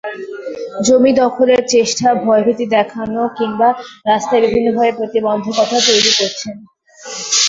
জমি দখলের চেষ্টা, ভয়ভীতি দেখানো কিংবা রাস্তায় বিভিন্নভাবে প্রতিবন্ধকতা তৈরি করছেন।